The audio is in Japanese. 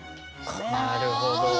なるほど。